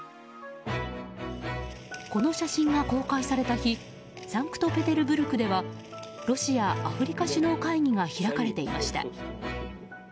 この写真が公開された日サンクトペテルブルクではロシア・アフリカ首脳会議が開かれていました。